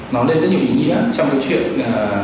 nó lên rất nhiều ý nghĩa trong cái chuyện